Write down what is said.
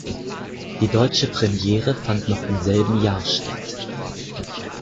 Die deutsche Premiere fand noch im selben Jahr statt.